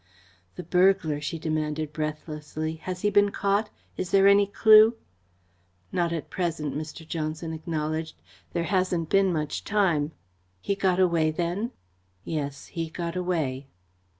"The burglar," she demanded breathlessly. "Has he been caught? Is there any clue?" "Not at present," Mr. Johnson acknowledged. "There hasn't been much time." "He got away then?" "Yes, he got away."